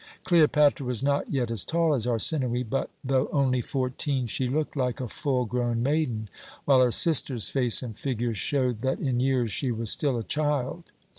"Cleopatra was not yet as tall as Arsinoë, but, though only fourteen, she looked like a full grown maiden, while her sister's face and figure showed that in years she was still a child.